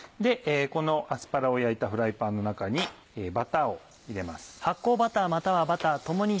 このアスパラを焼いたフライパンの中にバターを入れます。